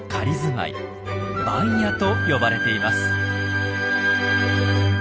「番屋」と呼ばれています。